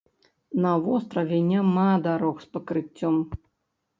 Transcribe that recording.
На востраве няма дарог з пакрыццём.